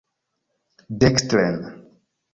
Dekstren!